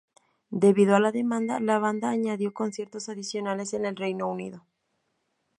Debido a la demanda, la banda añadió conciertos adicionales en el Reino Unido.